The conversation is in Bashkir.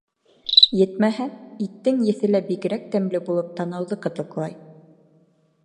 Етмәһә, иттең еҫе лә бигерәк тәмле булып танауҙы ҡытыҡлай.